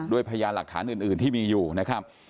พยานหลักฐานอื่นที่มีอยู่นะครับ